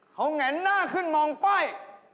เค้าแหง่หน้าขึ้นมองไป